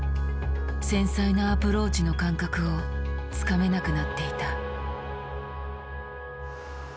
繊細なアプローチの感覚をつかめなくなっていた。